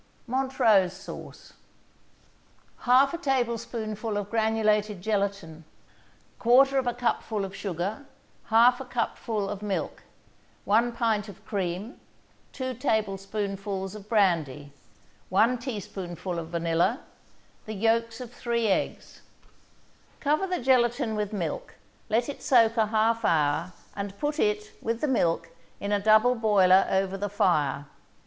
MONTROSE SAUCE 1/2 tablespoonful of granulated gelatin 1/4 cupful of sugar 1/2 cupful of milk 1 pint of cream 2 tablespoonfuls of brandy 1 teaspoonful of vanilla Yolks of 3 eggs Cover the gelatin with milk, let it soak a half hour, and put it, with the milk, in a double boiler over the fire.